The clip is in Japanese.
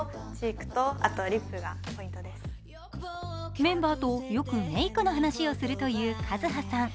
メンバーとよくメイクの話をするというＫＡＺＵＨＡさん。